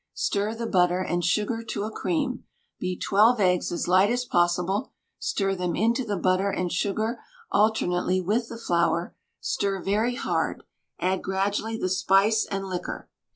Stir the butter and sugar to a cream; beat twelve eggs as light as possible; stir them into the butter and sugar alternately with the flour; stir very hard; add gradually the spice and liquor.